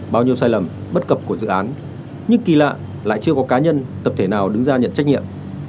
bao nhiêu sai lầm bất cập của dự án nhưng kỳ lạ lại chưa có cá nhân tập thể nào đứng ra nhận trách nhiệm